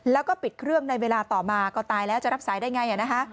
แล้วก็ปิดเครื่องในเวลาต่อมาก็ตายแล้วจะรับสายได้ไง